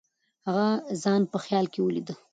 هغه ځان په خیال کې ولید.